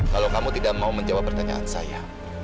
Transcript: kalau kamu tidak mau menjawab pertanyaan saya